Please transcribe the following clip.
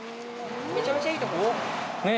めちゃめちゃいいとこですね。